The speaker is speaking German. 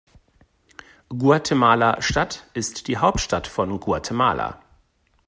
Guatemala-Stadt ist die Hauptstadt von Guatemala.